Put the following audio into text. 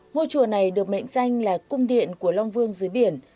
ngôi chùa này được mệnh danh là cung điện của long vương dưới biển